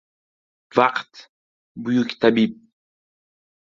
• Vaqt ― buyuk tabib.